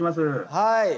はい。